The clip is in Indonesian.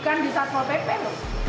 bukan di satpol pp loh